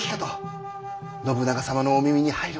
信長様のお耳に入る前に。